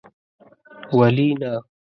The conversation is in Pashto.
ولي نه